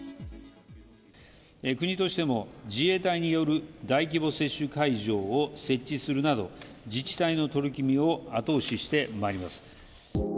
国としても、自衛隊による大規模接種会場を設置するなど、自治体の取り組みを後押ししてまいります。